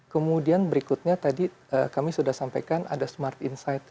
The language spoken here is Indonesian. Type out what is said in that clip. kemudian berikutnya tadi kami sudah sampaikan ada smart insight